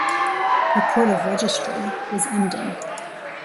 Her port of registry was Emden.